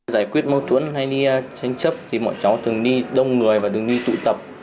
giải quyết mâu thuẫn hay đi tranh chấp thì bọn cháu thường đi đông người và đường đi tụ tập